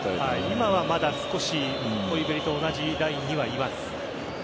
今は、まだ少しホイビェリと同じラインにはいます。